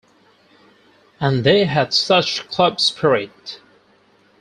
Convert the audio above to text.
And they had such club spirit.